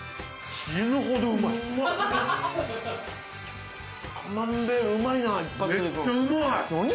死ぬほどうまい。